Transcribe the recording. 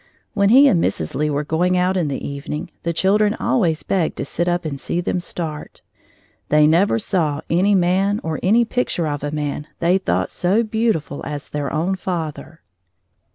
When he and Mrs. Lee were going out in the evening, the children always begged to sit up and see them start. They never saw any man or any picture of a man they thought so beautiful as their own father.